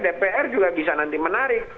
dpr juga bisa nanti menarik